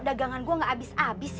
dagangan gua gak abis abis ya